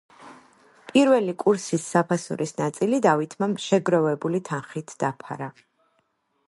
პირველი კურსის საფასურის ნაწილი, დავითმა შეგროვებული თანხით დაფარა.